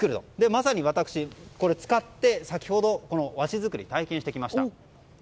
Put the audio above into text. まさに私これを使って和紙作りを体験してきました。